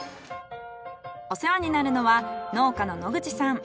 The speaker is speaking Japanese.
お世話になるのは農家の野口さん。